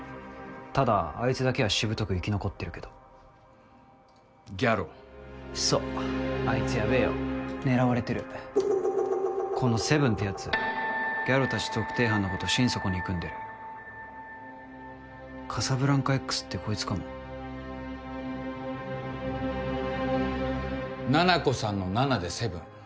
ただあいつだけはしぶとく生ギャロそうあいつヤベェよ狙われてるこのＳＥＶＥＮってヤツギャロたち特定班のこと心底憎んでるカサブランカＸってこいつかも七菜子さんの７で「ＳＥＶＥＮ」。